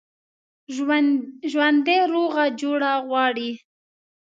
ژوندي روغه جوړه غواړي